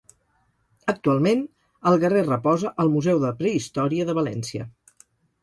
Actualment, el guerrer reposa al Museu de Prehistòria de València.